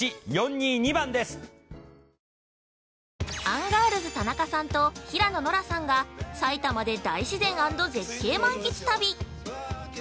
◆アンガールズ田中さんと平野ノラさんが埼玉で大自然＆絶景満喫旅！